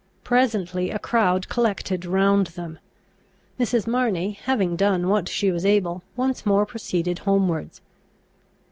Presently a crowd collected round them. Mrs. Marney, having done what she was able, once more proceeded homewards.